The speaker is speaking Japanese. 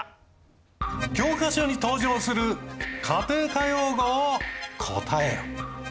教科書に登場する家庭科用語を答えよ。